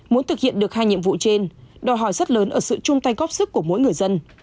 muốn thực hiện được hai nhiệm vụ trên đòi hỏi rất lớn ở sự chung tay góp sức của mỗi người dân